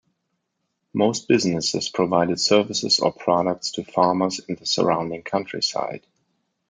Most businesses provided services or products to farmers in the surrounding countryside.